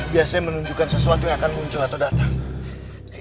biasanya menunjukkan sesuatu yang akan muncul atau datang